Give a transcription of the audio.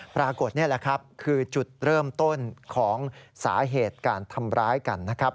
ปรากฏนี่แหละครับคือจุดเริ่มต้นของสาเหตุการทำร้ายกันนะครับ